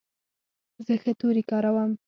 زه ښه توري کاروم.